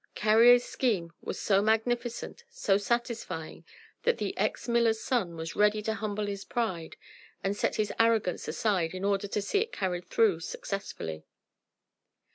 Carrier's scheme was so magnificent, so satisfying, that the ex miller's son was ready to humble his pride and set his arrogance aside in order to see it carried through successfully.